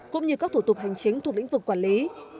cũng như các thủ tục hành chính thuộc lĩnh vực quản lý